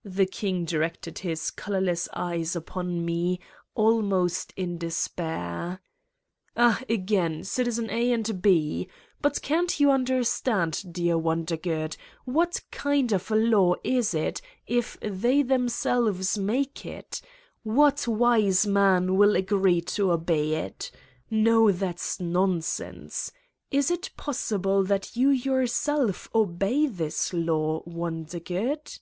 ' The king directed his colorless eyes upon me, almost in despair: "Ah, again citizen A and B ! But can't you un derstand, dear Wondergood? "What kind of a law is it if they themselves make it? What wise man will agree to obey it? No, that's nonsense. Is it possible that you yourself obey this law, Wondergood?"